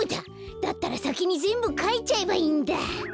だったらさきにぜんぶかいちゃえばいいんだ。